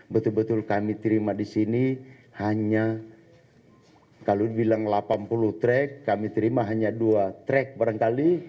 betul betul kami terima di sini hanya kalau dibilang delapan puluh trek kami terima hanya dua track barangkali